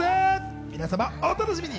皆様お楽しみに。